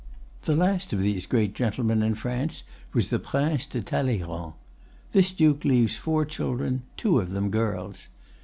The last of these great gentlemen in France was the Prince de Talleyrand.—This duke leaves four children, two of them girls.